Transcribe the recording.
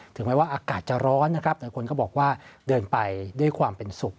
ถึงแม้ว่าอากาศจะร้อนแต่คนก็บอกว่าเดินไปด้วยความเป็นสุข